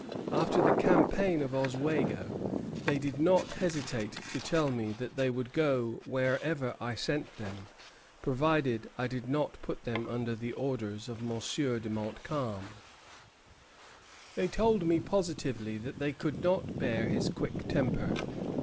"After the campaign of Oswego they did not hesitate to tell me that they would go wherever I sent them, provided I did not put them under the orders of M. de Montcalm. They told me positively that they could not bear his quick temper.